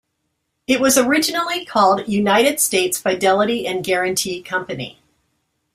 It was originally called United States Fidelity and Guaranty Company.